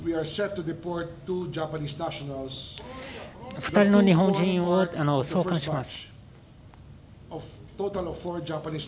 ２人の日本人を送還します。